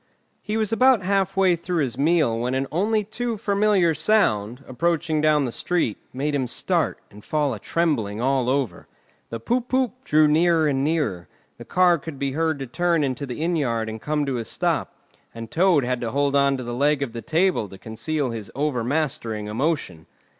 He was about half way through his meal when an only too familiar sound, approaching down the street, made him start and fall a trembling all over. The poop poop! drew nearer and nearer, the car could be heard to turn into the inn yard and come to a stop, and Toad had to hold on to the leg of the table to conceal his over mastering emotion.